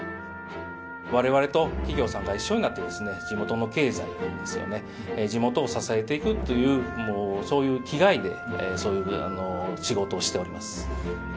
われわれと企業さんが一緒になって、地元の経済ですよね、地元を支えていくという、そういう気概でそういう仕事をしております。